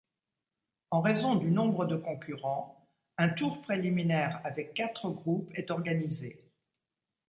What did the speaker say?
En raison du nombre de concurrents, un tour préliminaire avec quatre groupes est organisé.